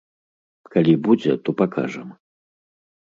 Калі будзе, то пакажам.